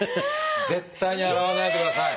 絶対に洗わないでください。